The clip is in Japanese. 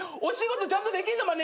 お仕事ちゃんとできんの？